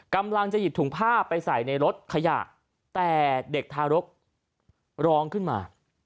กำลังจะหยิบถุงผ้าไปใส่ในรถขยะแต่เด็กทารกร้องขึ้นมา